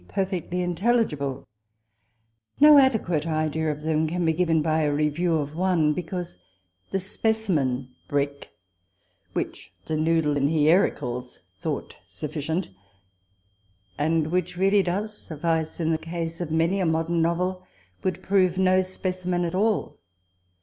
perfectly intelligible ; no adequate idea of them can be given by a re view of one, because the *• speci men brick" which the noodle in no Tk4 IfotiU if lame Austen. IJrfj. HierocleB thoaght sufficient, and which really does soffioe in the case of rnanj a modern novel, woold prove no specimen at all.